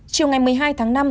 trong ngày một mươi hai tháng năm